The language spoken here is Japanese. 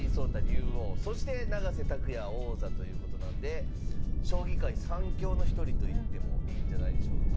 竜王そして永瀬拓矢王座ということなんで将棋界３強の一人と言ってもいいんじゃないでしょうか。